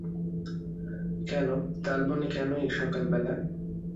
কেন, তালবনে কেন এই সকালবেলা?